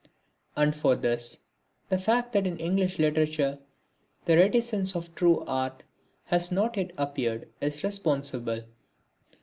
And for this, the fact that in English literature the reticence of true art has not yet appeared, is responsible.